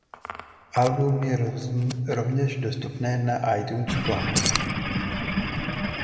Album je rovněž dostupné na iTunes.com.